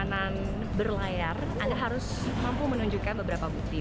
untuk keamanan berlayar anda harus mampu menunjukkan beberapa bukti